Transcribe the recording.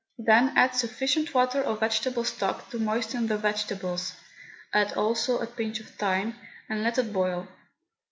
Then add sufficient water or vegetable stock to moisten the vegetables (add also a pinch of thyme), and let it boil.